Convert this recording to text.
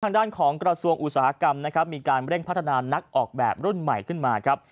ทางด้านของกระทรวงอุตสาหกรรมนะครับมีการเร่งพัฒนานักออกแบบรุ่นใหม่ขึ้นมาครับ